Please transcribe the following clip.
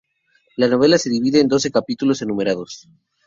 La novela se divide en doce capítulos enumerados.